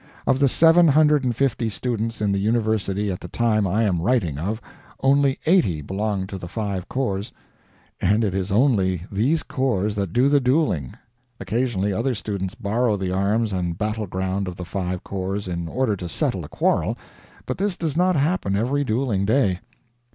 Of the seven hundred and fifty students in the university at the time I am writing of, only eighty belonged to the five corps, and it is only these corps that do the dueling; occasionally other students borrow the arms and battleground of the five corps in order to settle a quarrel, but this does not happen every dueling day.